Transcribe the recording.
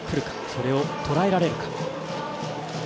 それを、とらえられるか。